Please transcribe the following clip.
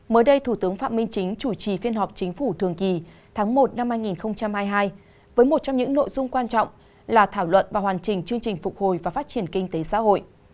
mới đây thủ tướng phạm minh chính chủ trì phiên họp chính phủ thường kỳ tháng một năm hai nghìn hai mươi hai với một trong những nội dung quan trọng là thảo luận và hoàn chỉnh chương trình phục hồi và phát triển kinh tế xã hội